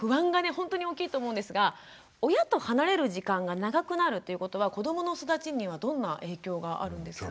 ほんとに大きいと思うんですが親と離れる時間が長くなるということは子どもの育ちにはどんな影響があるんですか？